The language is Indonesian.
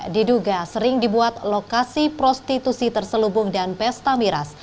diduga sering dibuat lokasi prostitusi terselubung dan pesta miras